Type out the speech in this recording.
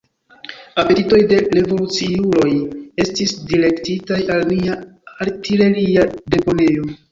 Apetitoj de revoluciuloj estis direktitaj al nia artileria deponejo.